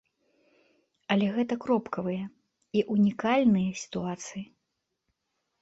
Але гэта кропкавыя і ўнікальныя сітуацыі.